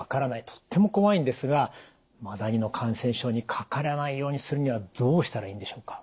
とっても怖いんですがマダニの感染症にかからないようにするにはどうしたらいいんでしょうか？